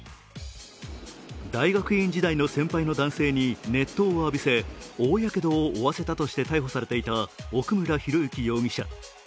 大学院時代の先輩の男性に熱湯を浴びせ大やけどを負わせたとして逮捕されていた奥村啓志容疑者。